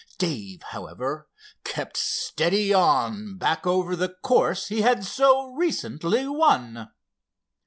Dave, however, kept steadily on back over the course he had so recently won.